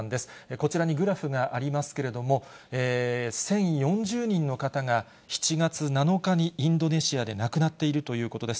こちらにグラフがありますけれども、１０４０人の方が７月７日にインドネシアで亡くなっているということです。